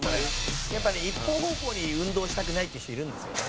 「一方方向に運動したくないっていう人いるんですよね」